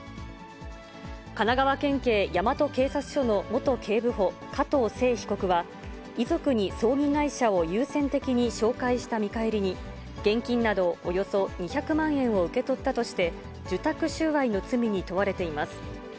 神奈川県警大和警察署の元警部補、加藤聖被告は、遺族に葬儀会社を優先的に紹介した見返りに、現金などおよそ２００万円を受け取ったとして、受託収賄の罪に問われています。